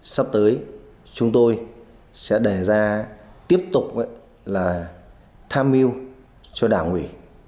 sắp tới chúng tôi sẽ đề ra tiếp tục là tham mưu cho đảng ủy